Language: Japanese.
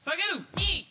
２！